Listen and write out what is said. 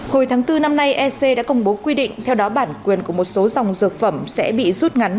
hồi tháng bốn năm nay ec đã công bố quy định theo đó bản quyền của một số dòng dược phẩm sẽ bị rút ngắn